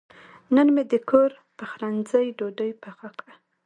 نن مې د کور پخلنځي ډوډۍ پخه کړه.